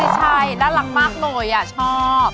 ใช่น่ารักมากเลยชอบ